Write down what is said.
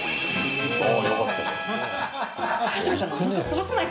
ああ、よかったじゃない。